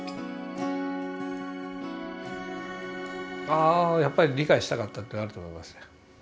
あやっぱり理解したかったってあると思いますね。